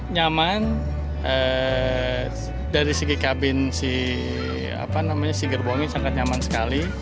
nyaman dari segi kabin si gerbong ini sangat nyaman sekali